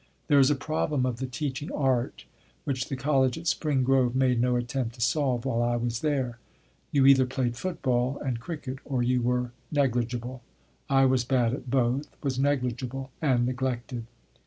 There is a problem of the teaching art which the College at Spring Grove made no attempt to solve while I was there. You either played football and cricket or you were negligible. I was bad at both, was negligible, and neglected.